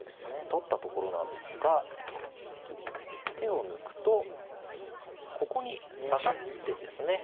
取ったところなんですが手を抜くとここにサガってですね